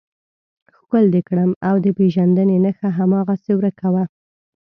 ښکل دې کړم او د پېژندنې نښه هماغسې ورکه وه.